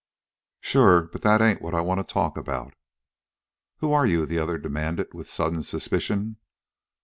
"Sure. But that ain't what I want to talk about." "Who are you?" the other demanded with sudden suspicion.